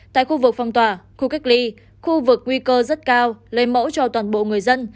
tại khu vực phong tỏa khu cách ly khu vực nguy cơ rất cao lấy mẫu cho toàn bộ người dân